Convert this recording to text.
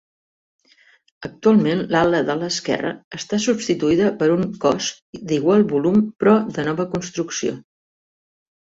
Actualment l'ala de l'esquerra està substituïda per un cos d'igual volum però de nova construcció.